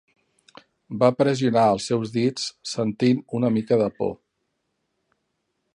Va pressionar els seus dits, sentint una mica de por.